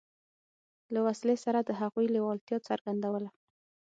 له وسلې سره د هغوی لېوالتیا څرګندوله.